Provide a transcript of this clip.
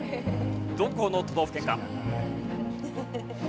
どこの都道府県か。